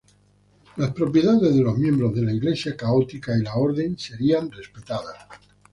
Las propiedades de los miembros de la Iglesia católica y la Orden serían respetadas.